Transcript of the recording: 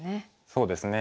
そうですね。